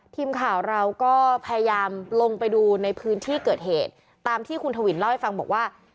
ทีมข่าวเราก็พยายามลงไปดูในพื้นที่เกิดเหตุตามที่คุณทวินเล่าให้ฟังบอกว่า